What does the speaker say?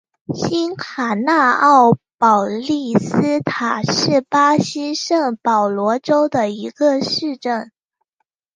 新卡纳昂保利斯塔是巴西圣保罗州的一个市镇。